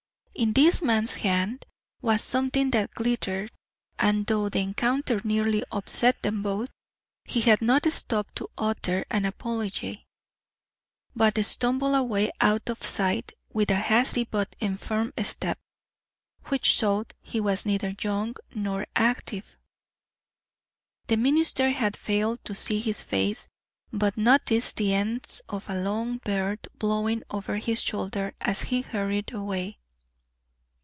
In this man's hand was something that glittered, and though the encounter nearly upset them both, he had not stopped to utter an apology, but stumbled away out of sight with a hasty but infirm step, which showed he was neither young nor active. The minister had failed to see his face, but noticed the ends of a long beard blowing over his shoulder as he hurried away.